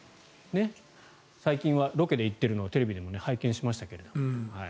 最近はロケで行っているのをテレビでも拝見しましたけど。